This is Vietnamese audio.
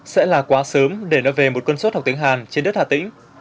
sẽ là quá sớm để nói về một cân suất học tiếng hàn trên đất hà tĩnh